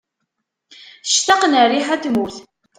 Ctaqen rriḥa n tmurt.